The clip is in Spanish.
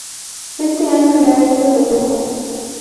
Este año le ha ido de lujo